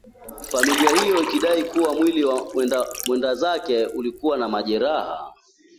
Familia hiyo ikidai kuwa mwili wa mwendazake ulikuwa na majeraha